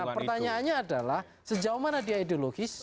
nah pertanyaannya adalah sejauh mana dia ideologis